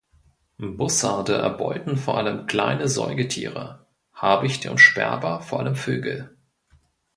Bussarde erbeuten vor allem kleine Säugetiere, Habichte und Sperber vor allem Vögel.